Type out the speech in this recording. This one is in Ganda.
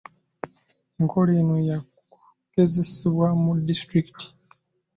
Enkola eno ya kugezesebwa mu disitulikiti.